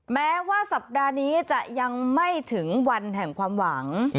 แม้ว่าสัปดาห์นี้จะยังไม่ถึงวันแห่งความหวัง